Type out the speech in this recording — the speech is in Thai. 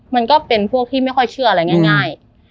มันก็เป็นพวกที่ไม่ค่อยเชื่ออะไรง่าย